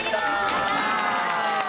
やったー！